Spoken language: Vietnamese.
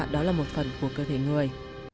đó là một phần của cơ thể người